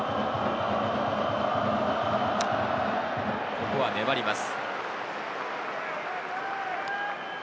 ここは粘ります。